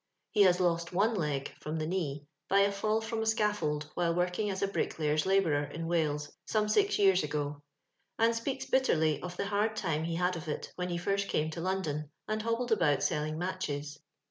He has lost one leg (from the knee) by a fall from a scaf fold, while working as a bricklayer's labourer in Wales, some six years ago ; and speaks bit terly of the hard time he had of it when he first came to London, and hobbled about sell ing matches.